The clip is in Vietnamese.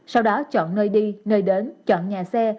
sau đó chọn nơi đi nơi đến chọn nhà xe